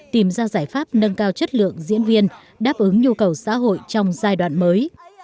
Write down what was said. tìm ra giải pháp nâng cao chất lượng diễn viên đáp ứng nhu cầu xã hội trong giai đoạn mới